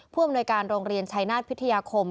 ผู้อำนวยการโรงเรียนชัยนาศพิทยาคม